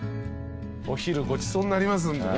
お昼ごちそうになりますんでね。